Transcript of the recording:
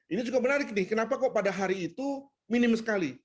ini juga menarik nih kenapa kok pada hari itu minim sekali